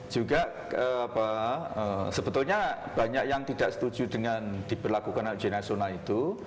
juga sebetulnya banyak yang tidak setuju dengan diberlakukan ujian nasional itu